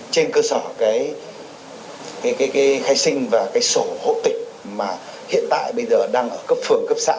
trên cơ sở cái khai sinh và cái sổ hộ tịch mà hiện tại bây giờ đang ở cấp phường cấp xã